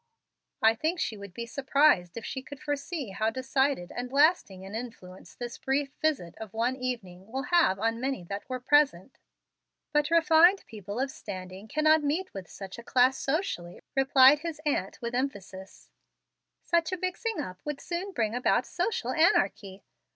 I think she would be surprised if she could foresee how decided and lasting an influence this brief visit of one evening will have on many that were present." "But refined people of standing cannot meet with such a class socially," replied his aunt, with emphasis. "Such a mixing up would soon bring about social anarchy.